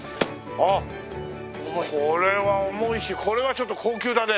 これは重いしこれはちょっと高級だね。